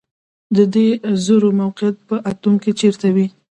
د دې ذرو موقعیت په اتوم کې چیرته وي